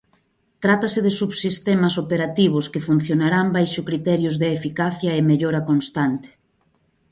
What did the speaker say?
Trátase de subsistemas operativos que funcionarán baixo criterios de eficacia e mellora constante.